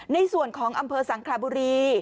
ในส่วนของอำเภอสังคลาบุรี